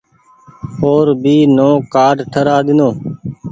او ر ڀي نئو ڪآرڊ ٺرآ ۮينو۔